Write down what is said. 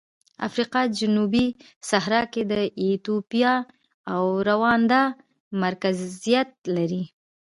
افریقا جنوبي صحرا کې ایتوپیا او روندا مرکزیت لري.